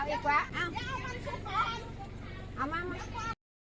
เอาอีกว่าเอา